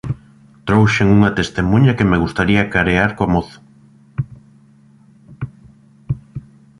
Trouxen unha testemuña que me gustaría acarear co mozo.